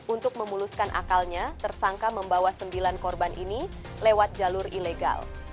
untuk memuluskan akalnya tersangka membawa sembilan korban ini lewat jalur ilegal